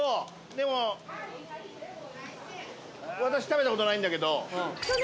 でも私食べた事ないんだけど。